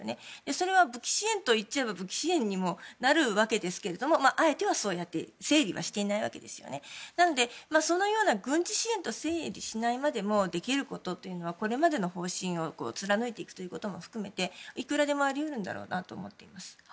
それは武器支援といっちゃえば武器支援にもなるわけですけどそのような軍事支援と整理しないまでもできることというのはこれまでの方針を貫いていくということも含めていくらでもあり得るんだろうなと思います。